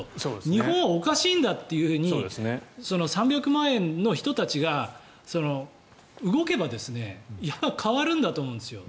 日本はおかしいんだと３００万円の人たちが動けば変わるんだと思うんですよ。